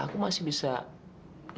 aku masih bisa nutupin semuanya